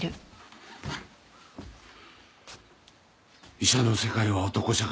医者の世界は男社会。